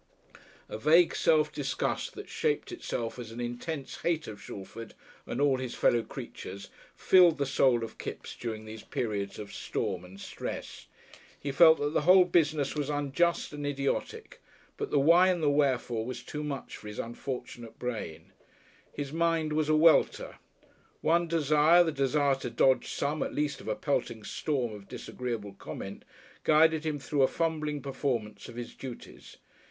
A vague self disgust, that shaped itself as an intense hate of Shalford and all his fellow creatures, filled the soul of Kipps during these periods of storm and stress. He felt that the whole business was unjust and idiotic, but the why and the wherefore was too much for his unfortunate brain. His mind was a welter. One desire, the desire to dodge some at least of a pelting storm of disagreeable comment, guided him through a fumbling performance of his duties.